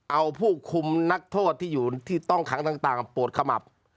เอาผู้คุมนักโทษที่อยู่ที่ต้องขังต่างปวดขมับ